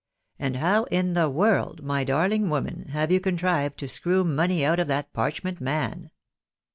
And how in the world, my darling woman, have you contrived to screw money out of that parchment man